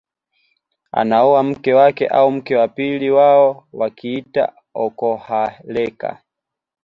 Anaoa mke wake au mke wa pili wao wakiita okohareka